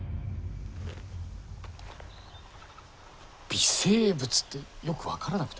微生物ってよく分からなくて。